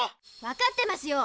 わかってますよ。